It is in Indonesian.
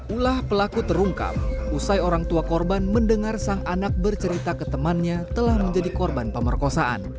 ulah pelaku terungkap usai orang tua korban mendengar sang anak bercerita ke temannya telah menjadi korban pemerkosaan